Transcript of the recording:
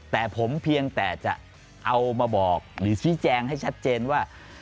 แต่ผมเพียงแต่จะเอามาบอกหรือชี้แจงให้ชัดเจนว่า